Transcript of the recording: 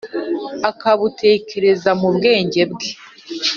akabutekereza mu bwenge bwe,